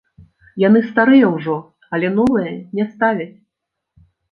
Яны старыя ўжо, але новыя не ставяць.